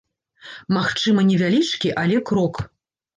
Магчыма, невялічкі, але крок.